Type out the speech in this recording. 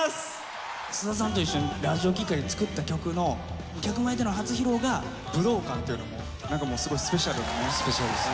菅田さんと一緒にラジオきっかけで作った曲の、客前での初披露が武道館っていうのも、なんかもうすごいスペシャスペシャルですね。